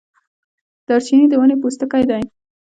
دارچینی د ونې پوستکی دی